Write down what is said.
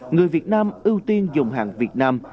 người việt nam ưu tiên dùng hạng việt nam